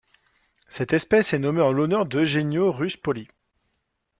Cette espèce est nommée en l'honneur d'Eugenio Ruspoli.